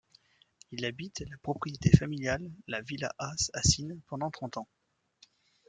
Il habite la propriété familiale, la Villa Haas à Sinn pendant trente ans.